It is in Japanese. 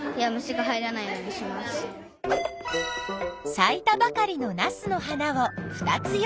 さいたばかりのナスの花を２つ用意。